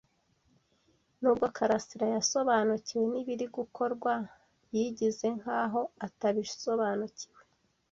Nubwo karasira yasobanukiwe nibiri gukorwa, yigize nkaho atabisobanukiwe.